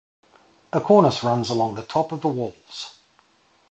A cornice runs along the top of the walls.